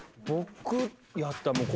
僕やったら。